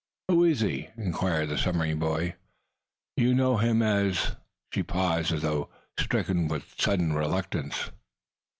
"Who is he?" inquired the submarine boy. "You know him as " She paused, as though stricken with sudden reluctance.